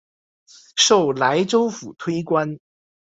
授莱州府推官。